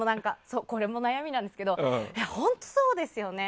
これも悩みなんですけど本当、そうですよね。